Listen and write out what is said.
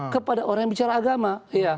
kepada orang yang bicara agama